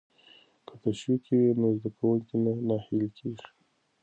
که تشویق وي نو زده کوونکی نه ناهیلی کیږي.